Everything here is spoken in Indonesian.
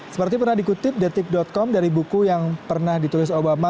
seperti pernah dikutip detik com dari buku yang pernah ditulis obama